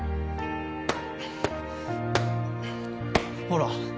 ほら。